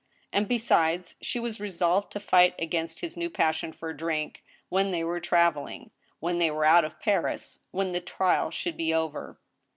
And, besides, she was resolved to fight against his new passion for drink when they were traveling, when they were out of Paris, when the trial should be over.